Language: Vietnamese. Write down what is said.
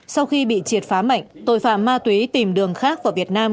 sau khi bị triệt phá mạnh tội phạm ma túy tìm đường khác vào việt nam